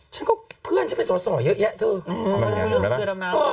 ฉันก็เพื่อนฉันไปสอดส่อเยอะแยะเถอะ